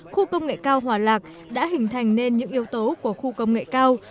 khu công nghệ cao hòa lạc đã hình thành nên những yếu tố của khu công nghệ cao